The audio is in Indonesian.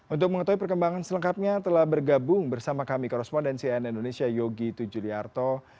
untuk mengetahui perkembangan selengkapnya telah bergabung bersama kami korrespondensi nn indonesia yogi tujuliarto